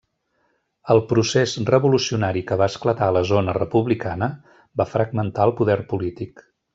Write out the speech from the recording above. El procés revolucionari que va esclatar a la zona republicana va fragmentar el poder polític.